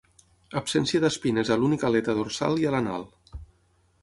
Absència d'espines a l'única aleta dorsal i a l'anal.